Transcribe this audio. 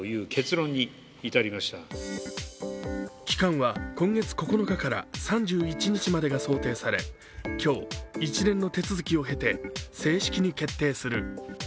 期間は今月９日から３１日までが想定され、今日、一連の手続きを経て正式に決定する。